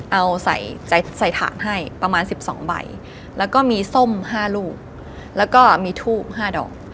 เอาใส่ถ่านให้ประมาณ๑๒ใบแล้วก็มีส้ม๕ลูกแล้วก็มีทูบ๕ดอก